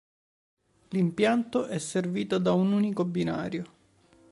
L'impianto è servito da un unico binario.